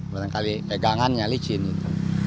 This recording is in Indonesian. barangkali pegangannya licin gitu